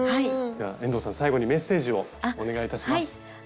遠藤さん最後にメッセージをお願いいたします。